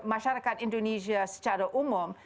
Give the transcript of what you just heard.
tapi kalau kita lihat indonesia secara umum